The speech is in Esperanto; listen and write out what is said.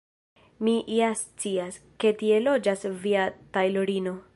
Mi ja scias, ke tie loĝas via tajlorino.